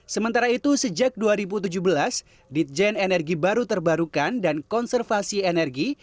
sementara itu sejak dua ribu tujuh belas ditjen energi baru terbarukan dan konservasi energi